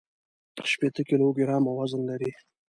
شپېته کيلوګرامه وزن لري.